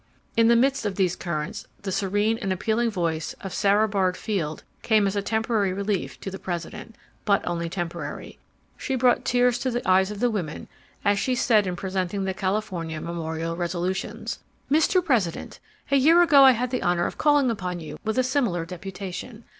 In the midst of these currents the serene and appealing voice of Sara Bard Field came as a temporary relief to the President—but only temporary. Shy brought tears to the eyes of the women as she said in presenting the California memorial resolutions: "Mr. President, a year ago I had the honor of calling upon you with a similar deputation.